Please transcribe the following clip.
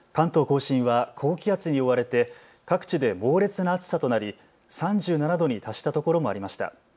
甲信は高気圧に覆われて各地で猛烈な暑さとなり３７度に達したところもありました。